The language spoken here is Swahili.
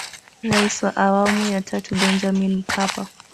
Rais wa awamu ya tatu Benjamin Mkapa